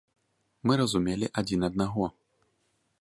Мы разумелі адзін аднаго.